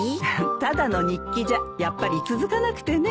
ただの日記じゃやっぱり続かなくてねぇ。